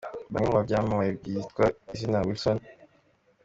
Bamwe mu byamamare bitwa izina Wilson.